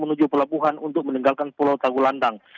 menuju pelabuhan untuk meninggalkan pulau tanggulandang